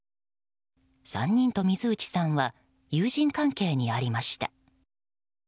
３人と水内さんは友人関係にありました。